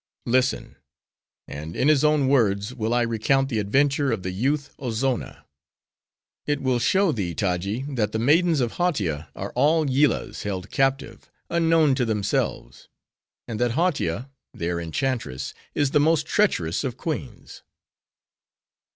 "Listen; and in his own words will I recount the adventure of the youth Ozonna. It will show thee, Taji, that the maidens of Hautia are all Yillahs, held captive, unknown to themselves; and that Hautia, their enchantress, is the most treacherous of queens.